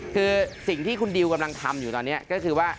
คือสิ่งที่คุณดิวกำลังทำอยู่ตอนนี้ก็คือว่า